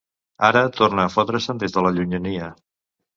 Ara torna a fotre-se'n des de la llunyania.